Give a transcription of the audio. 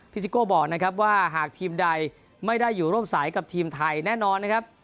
ซิโก้บอกนะครับว่าหากทีมใดไม่ได้อยู่ร่วมสายกับทีมไทยแน่นอนนะครับ